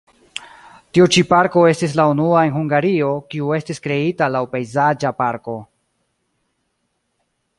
Tiu ĉi parko estis la unua en Hungario, kiu estis kreita laŭ pejzaĝa parko.